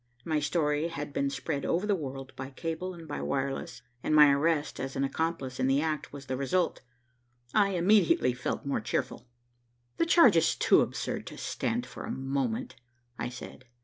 My story had been spread over the world by cable and by wireless, and my arrest as an accomplice in the act was the result. I immediately felt more cheerful. "The charge is too absurd to stand for a moment," I said.